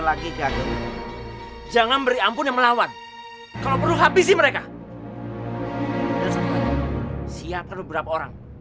lagi jangan beri ampun yang melawan kalau perlu habisi mereka siapkan beberapa orang